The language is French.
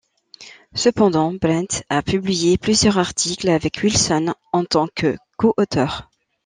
Cependant, Berndt a publié plusieurs articles avec Wilson en tant que co-auteur.